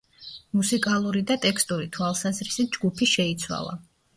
მუსიკალური და ტექსტური თვალსაზრისით ჯგუფი შეიცვალა.